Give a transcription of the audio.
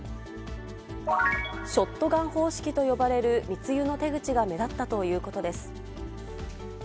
ショットガン方式と呼ばれる密輸の手口が目立ったということです。